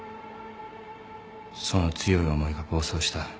その強い思いが暴走した。